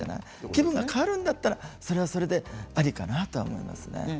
気分が変わるんだったらそれはそれでありかなと思います。